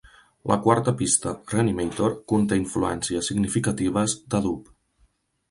La quarta pista, "Reanimator", conté influències significatives de dub.